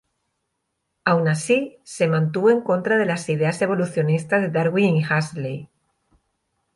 Aun así, se mantuvo en contra de las ideas evolucionistas de Darwin y Huxley.